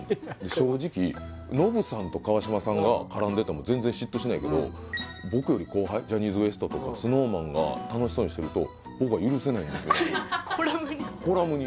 正直ノブさんと川島さんが絡んでても全然嫉妬しないけど僕より後輩ジャニーズＷＥＳＴとかＳｎｏｗＭａｎが楽しそうにしてると僕は許せないですみたいなコラムに？